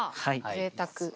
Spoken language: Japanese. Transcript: ぜいたく。